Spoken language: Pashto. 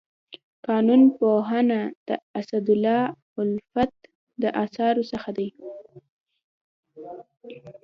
قانون پوهنه د اسدالله الفت د اثارو څخه دی.